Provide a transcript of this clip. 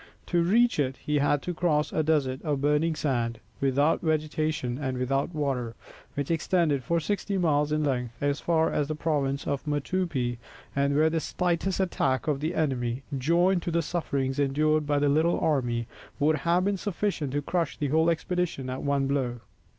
To reach it he had to cross a desert of burning sand, without vegetation and without water, which extended for sixty miles in length as far as the province of Motupé, and where the slightest attack of the enemy, joined to the sufferings endured by the little army, would have been sufficient to crush the whole expedition at one blow.